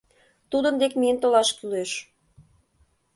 — Тудын дек миен толаш кӱлеш.